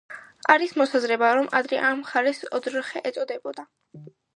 არის მოსაზრება, რომ ადრე ამ მხარეს ოძრხე ეწოდებოდა.